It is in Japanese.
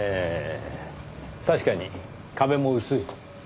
確かに壁も薄い。